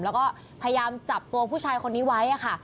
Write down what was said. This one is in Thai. แล้วก็พยายามจับตัวผู้ชายคนนี้ไว้ค่ะ